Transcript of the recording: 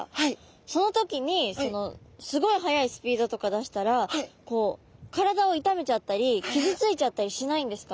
その時にすごい速いスピードとか出したら体を痛めちゃったり傷ついちゃったりしないんですか？